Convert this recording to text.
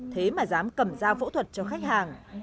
thế mà dám cầm dao phẫu thuật cho khách hàng